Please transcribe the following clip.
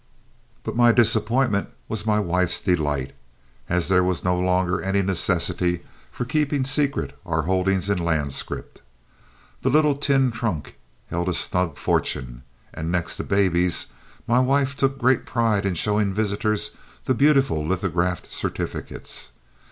But my disappointment was my wife's delight, as there was no longer any necessity for keeping secret our holdings in land scrip. The little tin trunk held a snug fortune, and next to the babies, my wife took great pride in showing visitors the beautiful lithographed certificates.